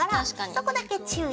そこだけ注意。